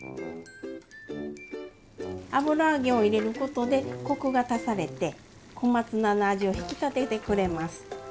油揚げを入れることでコクが足されて小松菜の味を引き立ててくれます。